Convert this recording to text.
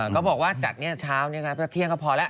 เขาบอกว่าจัดเช้านี้เที่ยงก็พอแล้ว